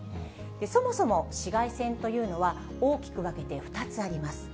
そもそも、紫外線というのは大きく分けて２つあります。